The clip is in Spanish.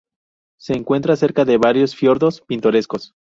Se encuentra cerca de varios fiordos pintorescos.